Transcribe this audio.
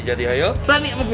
berani sama gue